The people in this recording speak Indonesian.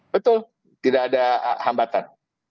betul tidak ada hambatan